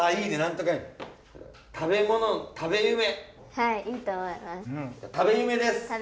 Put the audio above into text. はいいいと思います。